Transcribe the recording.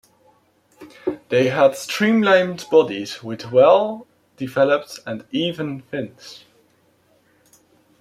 They have streamlined bodies with well-developed and even fins.